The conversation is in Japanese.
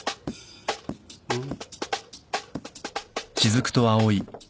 うん。